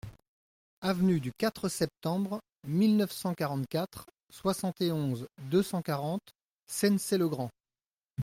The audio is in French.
Avenue du quatre Septembre mille neuf cent quarante-quatre, soixante et onze, deux cent quarante Sennecey-le-Grand